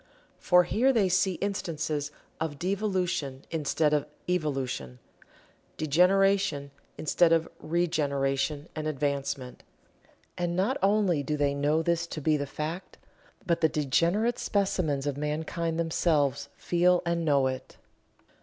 For here they see instances of devolution instead of evolution degeneration instead of regeneration and advancement. And not only do they know this to be the fact, but the degenerate specimens of mankind themselves feel and know it.